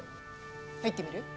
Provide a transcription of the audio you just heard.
入ってみる？